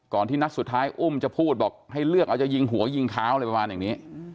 ที่นัดสุดท้ายอุ้มจะพูดบอกให้เลือกเอาจะยิงหัวยิงเท้าอะไรประมาณอย่างนี้